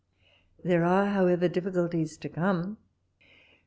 There are, however, diSiculties to come.